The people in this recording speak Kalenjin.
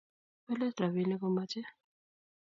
Po let rabinik komache